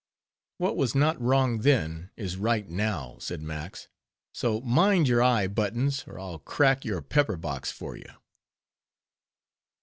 "What was not wrong then, is right now," said Max; "so, mind your eye, Buttons, or I'll crack your pepper box for you!"